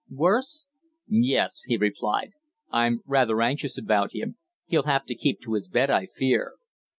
"Worse?" "Yes," he replied. "I'm rather anxious about him. He'll have to keep to his bed, I fear."